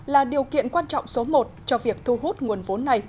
là điều kiện quan trọng số một cho việc thu hút nguồn vốn này